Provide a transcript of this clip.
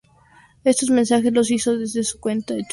Estos mensajes los hizo desde su cuenta de twitter.